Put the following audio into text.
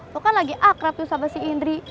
aku kan lagi akrab tuh sama si indri